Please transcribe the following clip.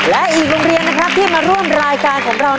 และอีกโรงเรียนนะครับที่มาร่วมรายการของเรา